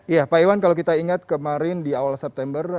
iya pak iwan kalau kita ingat kemarin di awal september